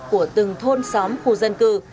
của từng thôn xóm khu dân cư